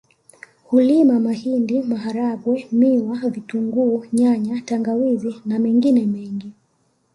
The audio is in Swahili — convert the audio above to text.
Hulima mahindi maharagwe miwa vitunguu nyanya tangawizi na mengine mengi